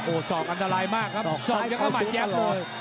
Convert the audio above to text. โอ้สอกอันตรายมากครับสอกยังไม่มัดแย็บเลย